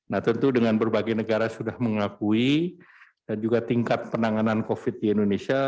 nah tentu dengan berbagai negara sudah mengakui dan juga tingkat penanganan covid di indonesia